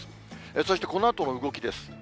そしてこのあとの動きです。